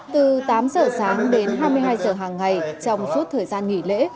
từ tám giờ sáng đến hai mươi hai giờ hàng ngày trong suốt thời gian nghỉ lễ